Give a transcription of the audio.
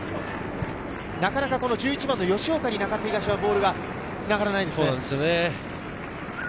なかなか吉岡に中津東はボールがつながらないですね。